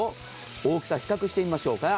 大きさ比較してみましょうか。